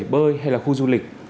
bể bơi hay là khu du lịch